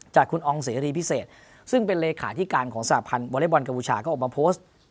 จากคุณอองเสรีพิเศษซึ่งเป็นเลขาธิการของสหพันธ์วอเล็กบอลกัมพูชาก็ออกมาโพสต์